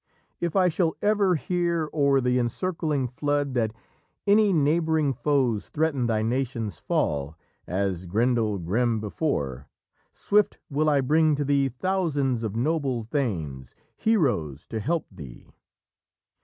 If I shall ever hear o'er the encircling flood That any neighbouring foes threaten thy nation's fall, As Grendel grim before, swift will I bring to thee Thousands of noble thanes, heroes to help thee."